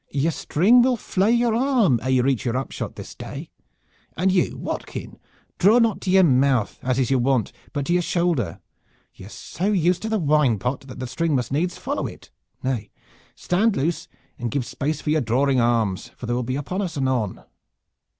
Your string will flay your arm ere you reach your up shot this day. And you, Watkin, draw not to your mouth, as is your wont, but to your shoulder. You are so used to the wine pot that the string must needs follow it. Nay, stand loose, and give space for your drawing arms, for they will be on us anon."